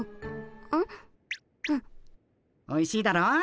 おいしいだろう？